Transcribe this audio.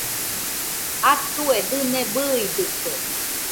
Atue dɨne bɨidɨkue